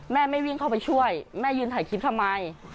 แม่ไม่วิ่งเข้าไปช่วยแม่ยืนถ่ายคลิปทำไม